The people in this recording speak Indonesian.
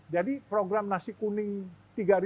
jadi program nasi kuning